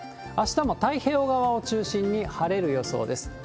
あしたも太平洋側を中心に晴れる予想です。